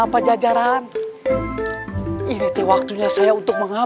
melalui kota jandung